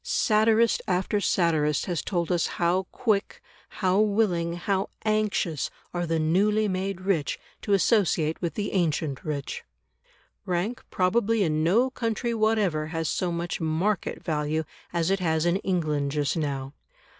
Satirist after satirist has told us how quick, how willing, how anxious are the newly made rich to associate with the ancient rich. Rank probably in no country whatever has so much "market" value as it has in England just now.